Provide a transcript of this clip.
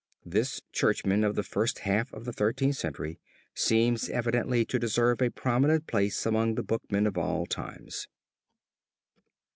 This churchman of the first half of the Thirteenth Century seems evidently to deserve a prominent place among the bookmen of all times.